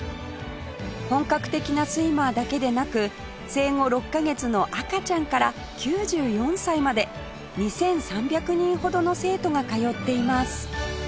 本格的なスイマーだけでなく生後６カ月の赤ちゃんから９４歳まで２３００人ほどの生徒が通っています